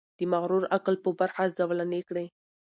د مغرور عقل په برخه زولنې کړي.